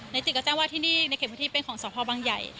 จิตก็แจ้งว่าที่นี่ในเขตพื้นที่เป็นของสพบังใหญ่